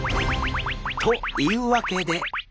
というわけで。